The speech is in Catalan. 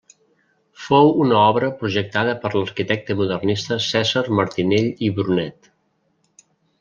Fou una obra projectada per l'arquitecte modernista Cèsar Martinell i Brunet.